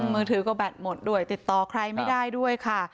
มือถือก็แบตหมดด้วยติดต่อใครไม่ได้ด้วยค่ะ